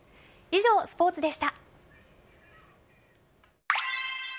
以上、スポーツでした。